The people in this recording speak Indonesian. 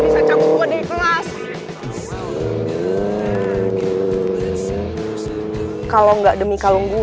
seseorang bisa nunggu